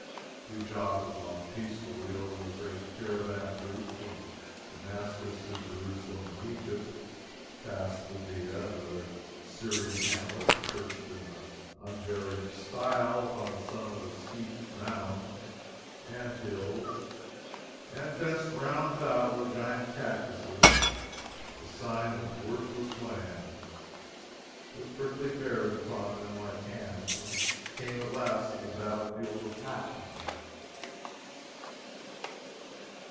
We jogged along peacefully over the great caravan route from Damascus to Jerusalem and Egypt, past Lubia and other Syrian hamlets, perched, in the unvarying style, upon the summit of steep mounds and hills, and fenced round about with giant cactuses, (the sign of worthless land,) with prickly pears upon them like hams, and came at last to the battle field of Hattin.